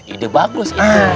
ide bagus itu